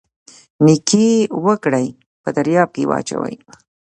نیکي وکړئ په دریاب یې واچوئ